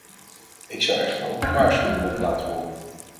Ik zou echter ook een waarschuwing willen laten horen.